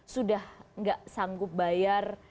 sudah gak sanggup bayar